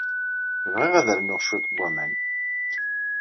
Bɣiɣ ad rnuɣ cwiṭ n waman.